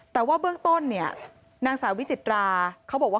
แต่ว่าเบื้องต้นเนี่ยนางสาววิจิตราเขาบอกว่า